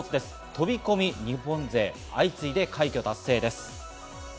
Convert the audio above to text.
飛び込み日本勢、相次いで快挙達成です。